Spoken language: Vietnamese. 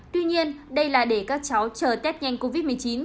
tuy nhiên đây là để các cháu chờ tết nhanh covid một mươi chín